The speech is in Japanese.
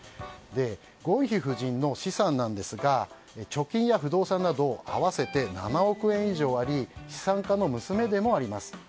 ゴンヒ夫人の資産ですが貯金や不動産など合わせて７億円以上あり資産家の娘でもあります。